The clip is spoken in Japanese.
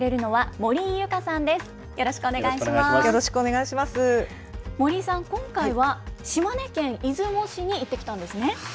森井さん、今回は島根県出雲市に行ってきたんですね。